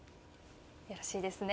よろしいですね？